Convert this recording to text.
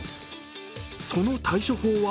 その対処法は？